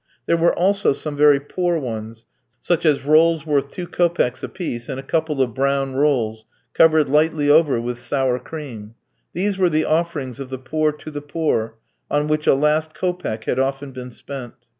There were also some very poor ones, such as rolls worth two kopecks a piece, and a couple of brown rolls, covered lightly over with sour cream. These were the offerings of the poor to the poor, on which a last kopeck had often been spent.